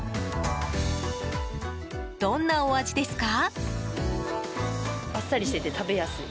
どんなお味ですか？